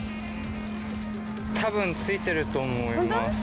多分ついてると思います。